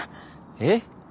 えっ？